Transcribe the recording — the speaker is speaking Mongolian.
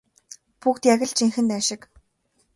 Бүгд яг л жинхэнэ дайн шиг.